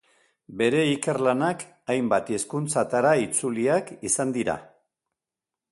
Bere ikerlanak hainbat hizkuntzatara itzuliak izan dira.